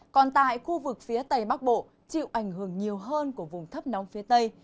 còn tại khu vực phía tây bắc bộ chịu ảnh hưởng nhiều hơn của vùng thấp nóng phía tây